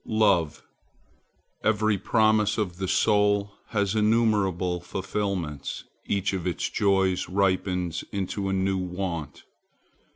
LOVE Every promise of the soul has innumerable fulfilments; each of its joys ripens into a new want.